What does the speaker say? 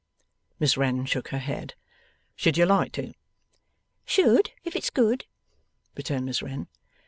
Miss Wren shook her head. 'Should you like to?' 'Should if it's good,' returned Miss Wren.